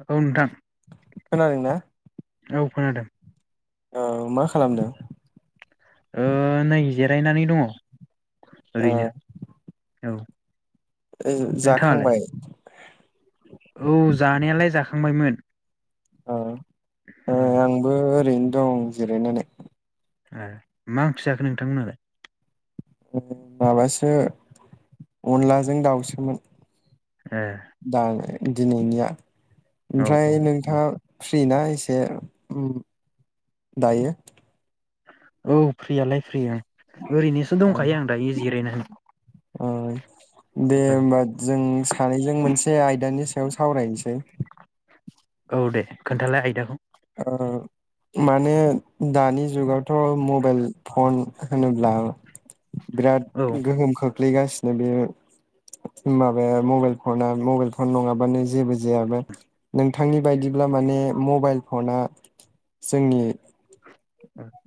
औ नोंथां खोनादोंना औ खोनादों औ मा खालामदों ओ नै जिरायनानै दङ ओरैनो औ ओ नोंथाङालाय जाखांबाय [unintelligible] औ जानायालाय जाखांबायमोन ओ औ नैआंबो ओरैनो दं जिरायनानै मा ओंख्रि जाखो नोंथां मोनहालाय माबासो अनलाजों दाउसोमोन ए दा दिनैनिया औ औ ओमफ्राय दे नोंथाङा फ्रिना एसे दायो औ फ्रियालाय फ्रि आं ओरैनोसो दंखायो दायो जिरायनानै ओ दे होमबा जों सानैजों मोनसे से आयदानि सायाव सावरायनोसै औ दे खोन्थालाय आयदाखौ माने दानि जुगावथ' मबाइल फन होनोब्ला बिराद औ गोहोम खो खोख्लैगासिनो बे माबाया मबाइल फना मबाइल फन नङाबानो जेबो जायाबा नोंथांनि बायदिब्ला माने मबाइल फना जोंनि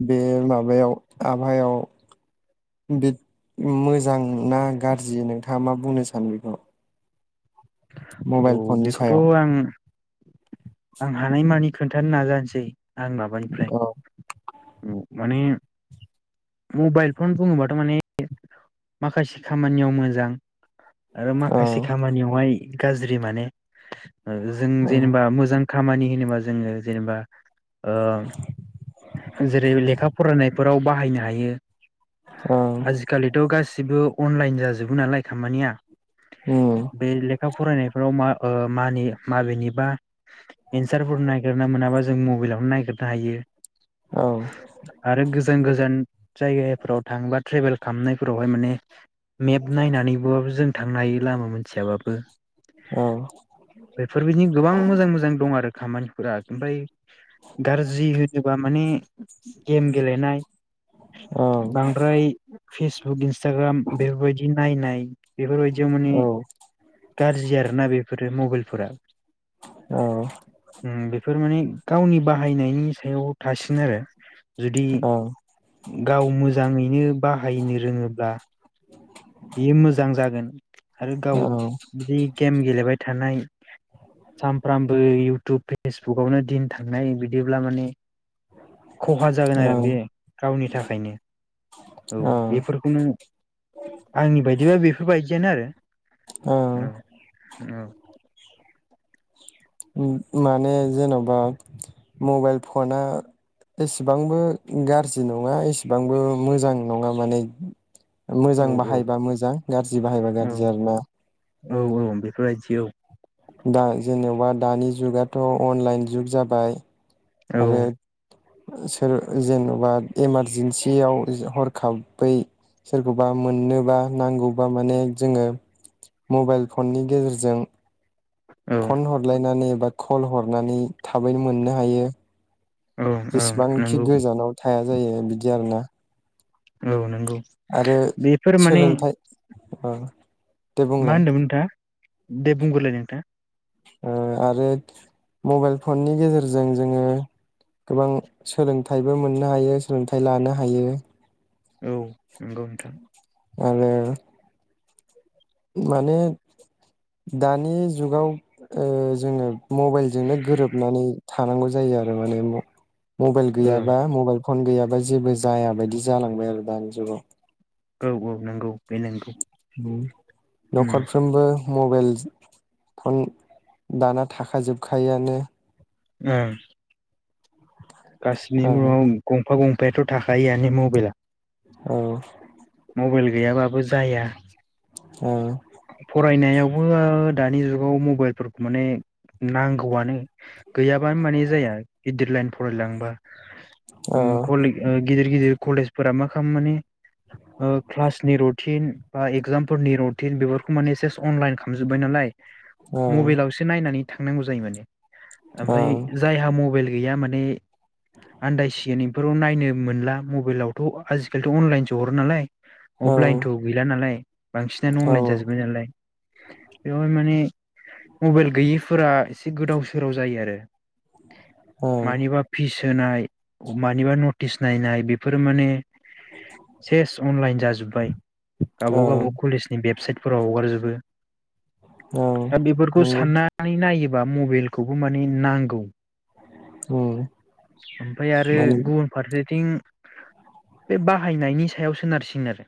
बे माबायाव आबहायाव बे मोजां ना गाज्रि नोंथाङा मा बुंनो सानो बेखौ औ मबाइल फननि बेखौथ' सायाव आं आं हानायमानि खोन्थानो नाजानोसै आं माबानिफ्राय औ ओ माने मबाइल फन बुङोबाथ' माने माखासे खामानियाव मोजां आरो औ माखासे खामानियावहाय गाज्रि माने जों औ जेनेबा मोजां खामानि होनोबा जोङो जेनेबा ओ जेरै लेखा फरायनाय बेफोराव बाहायनो हायो औ आजिखालिथ' गासिबो अनलाइन जाजोबो नालाय खामानिया उम बे लेखा फरायनायफोराव मा ओ मानि माबेनिबा एनसारफोर नागिरना मोनाबा जों मबाइलावनो नायगिरनो हायो औ आरो गोजान गोजान जायगाफ्राव थांबा ट्रेभेल खामनायफोरावहाय माने मेप नायनानैबाबो जों थांनो हायो लामा मोनथियाबाबो औ बेफोरबायदि गोबां मोजां मोजां दं आरो खामानिफोरा ओमफाय गारजि बा माने गेम गेलेनाय औ बांद्राय फेसबुक इन्सटाग्राम बेफोरबायदिनो नायनाय बेफोरबायदियाव माने औ गाज्रि आरोना बेफोरो मबाइल फोरा औ बेफोर माने गावनि बाहायनायनि स याव थासिन आरो। जुदि औ गाव मोजाङैनो बाहायनो रोङोब्ला बियो मोजां जागोन आरो गाव बिदि गेम गेलेबाय थानाय सानफ्रामबो इउटुब फेसबुकावनो दिन थांनाय बिदिब्ला माने खहा जागोन आरो औ बे गावनि थाखायनो औ बेफोरखौनो आंनि बायदिबा बेफोरबायदि जेन आरो औ औ माने जेनबा मबाइल फना एसेबांबो गाज्रि नङा एसेबांबो मोजां नङा माने। औ मोजां बाहायब मोजां गाज्रि बाहायबा औ गाज्रि आरो ना। औ औ बेफोरबायदि औ। दा जेनेबा दानि जुगाथ अनलाइन जुग जाबाय औ आरो सोर जेनबा इमारजेन्सियाव हरखाबै सोरखौबा मोननोबा नांगौबा माने जोङो मबाइल फननि गेजेरजों औ फन हरलायनानै बा कल हरनानै थाबैनो मोननो हायो। औ औ जेसेबांखि नंगौ गोजानाव थाया जायो बिदि आरोना। औ नंगौ। बेफोर माने औ मा होनदोंमोन नोंथाङ दे बुंग्रोरोलाय नोंथाङा। आरो मबाइल फननि गेजेरजों जोङो गोबां सोलोंथाइबो मोननो हायो सोलोंथाइ लानो हायो। औ नंगौ नोंथां। आरो माने दानि जुगाव जोङो मबाइलजोंनो गोरोबनानै थानांगौ जायो आरो माने म मबाइल ओं गैयाबा मबाइल फन गैयाबा जेबो जाया बायदि जालांबाय आरो दानि जुगाव। औ औ नंगौ बे नंगौ। उम उम न'खरफ्रोमबो मबाइल फन दाना थाखाजोबखायोआनो ओं औ गासिबनावबो गंफा गंफा गंफाथ' थाखायोआनो मबाइला औ मबाइल गैयाबाबो जाया औ फरायनायावबो दानि जुगाव मबाइलफोरखौ माने नांगौआनो गैयाबानो माने जाया गिदिर लाइन फरायलांबा उम खलि ओ गिदिर गिदिर कलेजफोरा मा खालाम मानि ओ क्लासनि रुटिन बा एगजामफोरनि र थिन बेफोरखौ माने सेस अनलाइन खालाम जोब्बाय नालाय औ मबेलावसो नायनानै थांनांगौ जायो माने औ ओमफाय जायहा मबेल गैया माने आन्दायसिगोन इफोराव नायनो मोनला मबाइलावथ' आजिखालिथ' अनलाइनसो हरो नालाय अफलाइनथ' गैला नालाय बांसिन औ अनलाइन जाजोबबाय नालाय बेवहाय माने मबाइल गैयिफोरा एसे गोदाव सोराव जायो आरो ओं मानिबा फिस होनाय मानिबा न थिस नायनाय बेफोरो माने सेस अनलाइन जाजोब्बाय गाबाव ओं गाबाव कलेस बेबसाइटफोराव हगारजोबो औ दा बेफोरखौ नंगौ साननानै नायो ब्ला मबेलखौबो माने नांगौ उम ओमफाय आरो माने गुबुन फारसे थिं बे बाहायनायनि सायाव सोनार सिगोन आरो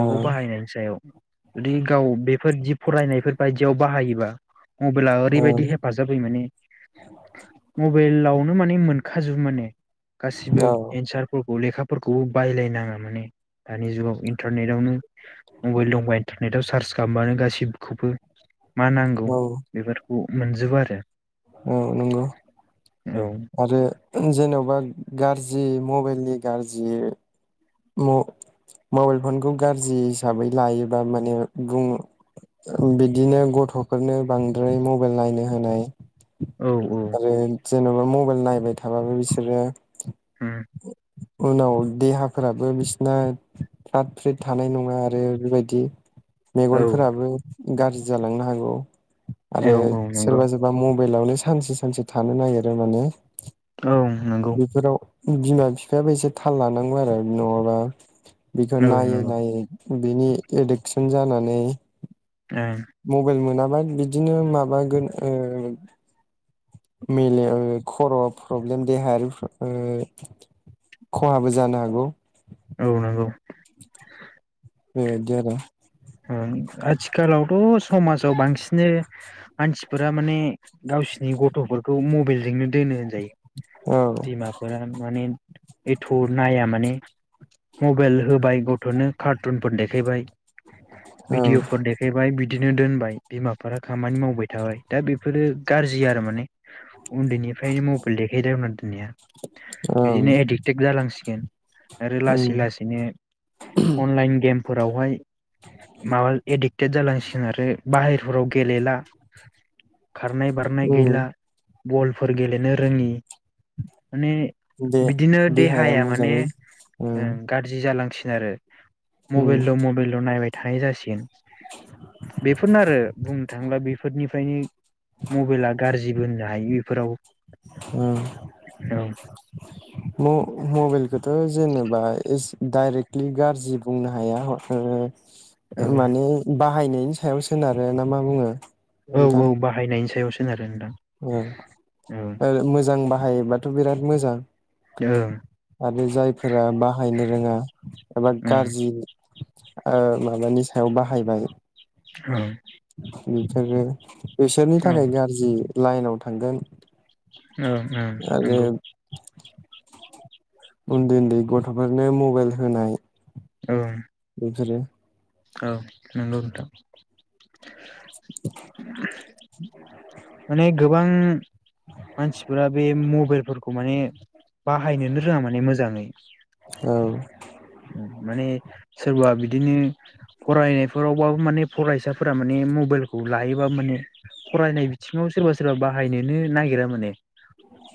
औ गाव बाहायनायनि सायाव जुदि गाव बे फोर दि फरायनायफोर बायदियाव बाहायोबा मबाइला औ ओरैबायदि हेफाजाब होयो माने मबेलाव नो माने मोन खाजुबो मोने गासिबो औ एन्सारफो खौ लेखाफोरखौबो बायलायनाङा माने दानि जुगाव इन्टारनेटावनो मबाइल दंबा इन्टारनेट आव सार्स खालामबानो गासिबखौबो मा नांगौ औ बेफोरखौ मोनजोबो आरो। ओ औ नोंगौ। औ आरो जेन'बा गाज्रि मबाइलनि गाज्रि म मबाइल फनखौ गाज्रि हिसाबै लायोबा माने बुं बिदिनो गथ'फोरनो बांद्राय मबेल नायनो होनाय औ औ आरो जेन'बा मबाइल नायबाय थाबाबो बिसोरो औ [inaudible] उनाव देहा फोराबो बिसिना फ्रात फ्रिद थानाय नङा आरो बिबायदि औ मेगनफोराबो गाज्रि जालांनो हागौ औ आरो औ नंगौ सोरबा सोरबा म बेलावनो सानसे सानसे थानो नागिरो माने औ नोंगौ बेफोराव बिमा बिफायाबो एसे थाल लानांगौ आरो। नङाबा बेखौ औ नायै नंगौ नायै बिनि एडिकसन जानानै मबेल मोना [unintelligible] बिदिनो माबागोन ओ मेलेम खर' प्रब्लेम देहायारि फ्र ओ खहाबो जानो हागौ। औ नोंगौ [inaudible] बे बायदि आरो दस समाजाव बांसिनो [inaudible] मानसिफोरा माने गावसिनि गथ'फोरखौ मबेल जोंनो दोनो होनजायो औ बिमाफोरा माने एथ' नाया माने मबाइल होबाय गथ'नो कारटुनफोर देखायबाय ओं भिडिअफोर देखायबाय बिदि नो दोनबाय बिमाफोरा खामानि मावबाय थाबाय दा बेफोरो गाज्रि आरो माने उन्दैनिफ्रायनो मबाइल देखाय दावना दोननाया ओं बिदिनो एडिक्टेड जालांसिगोन आरो उम लासै लासैनो अनलाइन गेम फोरावहाय माबा एदिक टेट जालांसिगोन आरो बाहेरफोराव गेलेला खारनाय बारनाय गैला उम बलफोर गेलेनो रोङि माने दे बिदिनो देहाया माने ओ उम गाज्रि जालांसि आरो उम मबाइल ल मबाइल नायबाय थानाय जासिगोन बेफोरनो आरो बुंनो थाङोब्ला बेफोरनिफ्रायनो मबाइला गारजिबो होननो हायो फोराव ओ म-मबाइलखोथ' जेनेबा इस डाइरेक्टलि गारजि बुंनो हाया ओ औ माने बाहायनायनि सायाव सोनारो ना मा बुङो औ औ बाहायनायनि सायाव सोनार ओं ओ मोजां बाहायोबाथ' बिराद मोजां ओं आरो जायफोरा बाहायनो रोङा एबा ओं गारजि ओ माबानि सायाव बाहायबाय ओं [unintelligible] बिसोरनि औ थाखाय गारजि लाइनाव थांगोन ओं ओं आरो नोंगौ उन्दै उन्दै गथ'फोरनो मबेल होनाय ओं [unintelligible] औ नोंगौ नोंथां [inaudible] माने गोबां मानसिफोरा बे मबेलफोरखौ माने बाहायनोनो रोङा माने मोजाङै औ माने सोरबा बिदिनो फरायनायफोरावबाबो माने फरायसाफोरा माने मबेलखौ लायोबा माने फरायनाय बिथिङाव सोरबा सोरबा बाहायनोनो नागिरा माने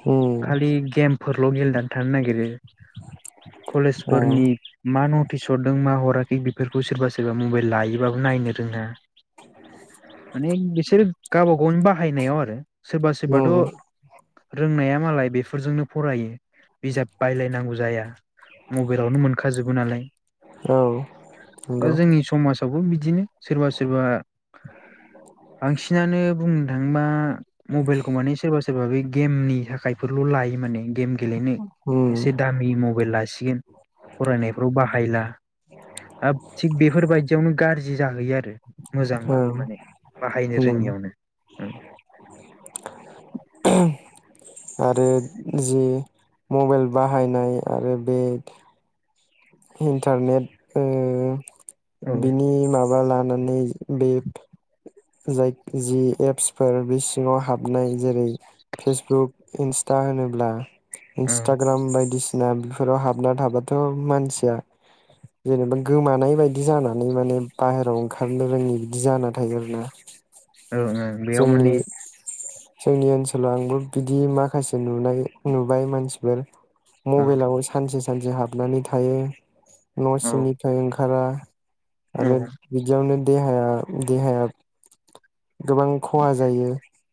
औ खालि गेम फोरल' गेलेनानै थानो नागिरो औ कलेजफोरनि मा नटिस हरदोंमोन मा हराखै बेफोरखौ सोरबा सोरबा मबाइल लायोबाबो नायनो रोङा माने बिसोर गावबा गावनि बाहायनायाव आरो सोरबा उम सोरबाथ' रोंनाया मालाय बेफोरजोंनो फरायो बिजाब बायलायनांगौ जाया मबाइलावनो मोन खाजोबो नालाय औ दा नंगौ जोंनि समाज जाबो बिदिनो सोरबा सोरबा बांसिनानो बुं थांबा मबाइलखौ मानि सोरबा सोरबा बे गेमनि थाखाय बेफोरल' लायो माने गेम गेलेनो उम एसे दामि मबाइल लासिगोन फरायनायफ्राव बाहायला दा थिग बेफोरबायदियावनो गाज्रि जाहैयो आरो औ मोजांबाबो माने बाहायनो उम रोङियावनो औ आरो जि मबाइल बाहायनाय आरो बे इन्टारनेट ओ औ बिनि माबा बा लानानै बे जाय जि एपसफोर बे सिङाव हाबनाय जेरै फेसबुक इन्सटा दा होनोब्ला औ इन्सटाग्राम बायदिसिना ना बेफोराव हाबना थाबाथ' मानसिया जेनेबा गोमानाय बायदि जानानै माने बाहेरायाव ओंखारनो रोङि बिदि जाना थायो आरो ना ओं ओं बेयाव माने जोंनि ओनसोलाव आंबो बिदि माखासे नुनाय नुबाय मानसिफोर औ मबाइलाव सानसे सानसे हाबनानै थायो न' औ सिंनिफ्राय ओंखार खारा औ आरो बिदियावनो देहाया देहाया गोबां खहा जायो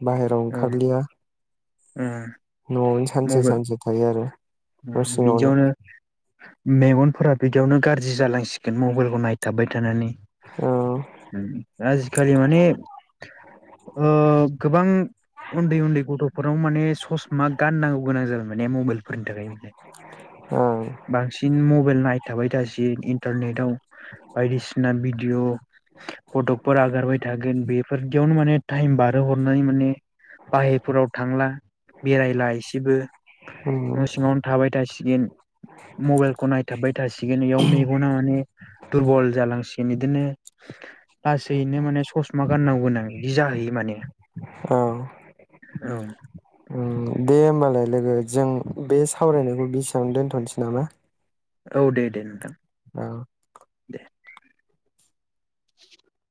बाहेरायाव ओंखारलिया ओं न'आवनो सानसे सानसे थायो आरो न' उम सिङावनो बिदियावनो मेगनफोरा बिदियावनो गाज्रि जि जालांसिगोन मबाइलखौ नायथाबबाय थानानै औ आजिखालि माने ओ गोबां उन्दै उन्दै गथ'फोराव माने ससमा गाननांगौ गोनां जादों माने मबाइल ओं बांसिन मेबेल नायनो थाबाय थासि इन्टारनेटाव बायदिसिना भिडिअ फटकफोर आगारबाय थागोन बेफोरदियावनो माने टाइम बारहोहरनानै माने बाहिफोराव थांला बेरायला एसेबो उम न' सिङावनो थाबाय थासै बिदि मबाइलखौ नायथाबबाय थासिगोन इयाव मेगना माने दुरबल जालांसिगोन इदिनो लासैैनो माने ससमा गाननांगौ गोनां बिदि जाहैयो माने औ औ उम दे होमबालाय लोगो जों बे सावरायनायखौ बेसेबां दोन्थ'नोसै नामा औ दे दे नोंथां औ दे [inaudible]